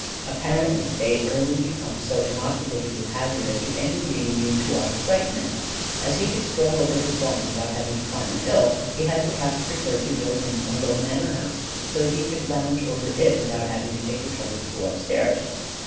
Apparently they early become so inoculated with hazard as to end in being immune to all excitement. As he could stroll over his farm without having to climb a hill, he had perhaps preferred to build him a low manor house so that he could lounge over it without having to take the trouble to go upstairs.